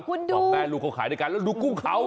คุณดูสองแม่ลูกเขาขายด้วยกันแล้วดูกุ้งเขา